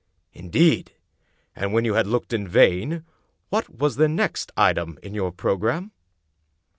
" Indeed! And when you had looked in vain, what was the next item in your programme?"